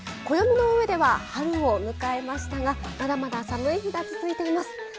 暦の上では春を迎えましたがまだまだ寒い日が続いています。